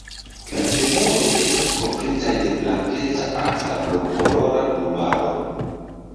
La femuroj estas kovritaj de blankeca al sablokolora plumaro.